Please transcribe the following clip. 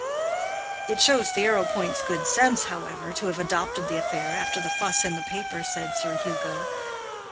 "It shows the Arrowpoints' good sense, however, to have adopted the affair, after the fuss in the paper," said Sir Hugo.